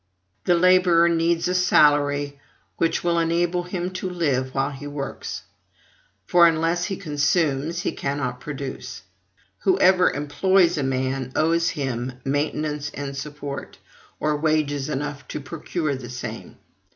The laborer needs a salary which will enable him to live while he works; for unless he consumes, he cannot produce. Whoever employs a man owes him maintenance and support, or wages enough to procure the same.